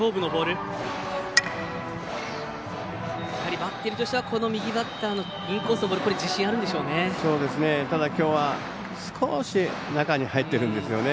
バッテリーとしては右バッターのインコースは自信あるんでしょうね。